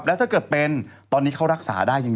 แล้วถ้าเกิดเป็นตอนนี้เขารักษาได้จริง